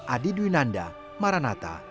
adi dwinanda maranata